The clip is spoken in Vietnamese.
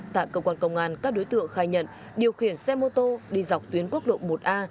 tại cơ quan công an các đối tượng khai nhận điều khiển xe mô tô đi dọc tuyến quốc lộ một a